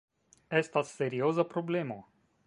Estas serioza problemo.